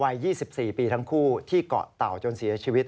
วัย๒๔ปีทั้งคู่ที่เกาะเต่าจนเสียชีวิต